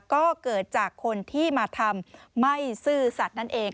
ก็เกิดจากคนที่มาทำไม่ซื่อสัตว์นั่นเอง